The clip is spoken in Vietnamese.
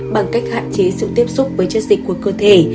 bằng cách hạn chế sự tiếp xúc với chất dịch của cơ thể